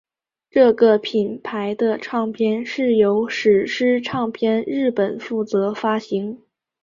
这个品牌的唱片是由史诗唱片日本负责发行。